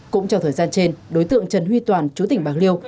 cũng trong thời gian trên đối tượng trần huy toàn chú tỉnh bạc liêu